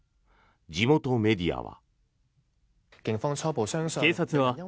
地元メディアは。